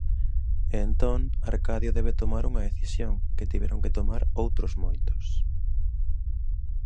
E entón, Arcadio debe tomar unha decisión, que tiveron que tomar outros moitos.